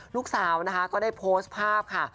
ลูกสาวนะคะก็ได้โพสต์ภาพค่ะ